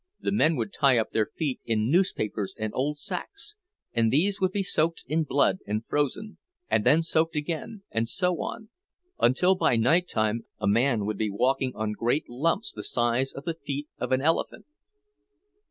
The men would tie up their feet in newspapers and old sacks, and these would be soaked in blood and frozen, and then soaked again, and so on, until by nighttime a man would be walking on great lumps the size of the feet of an elephant.